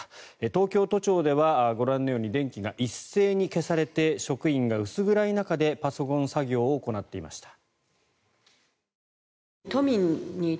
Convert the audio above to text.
東京都庁では、ご覧のように電気が一斉に消されて職員が薄暗い中でパソコン作業を行っていました。